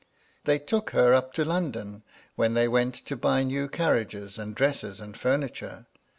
They took her up to London, when they went to buy new carriages, and dresses, and furniture.